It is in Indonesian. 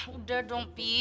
udah dong pi